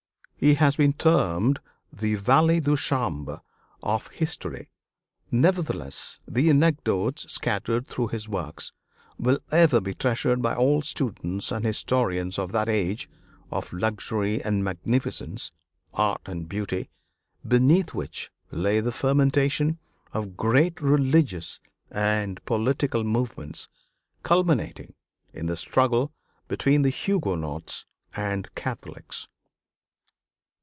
He has been termed the "valet de chambre" of history; nevertheless the anecdotes scattered through his works will ever be treasured by all students and historians of that age of luxury and magnificence, art and beauty, beneath which lay the fermentation of great religious and political movements, culminating in the struggle between the Huguenots and Catholics.